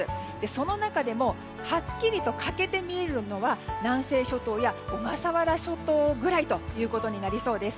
その中でもはっきりと欠けて見えるのは南西諸島や小笠原諸島ぐらいとなりそうです。